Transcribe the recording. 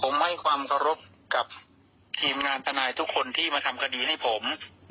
ผมให้ความเคารพกับทีมงานทนายทุกคนที่มาทำคดีให้ผม